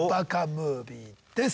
ムービーです。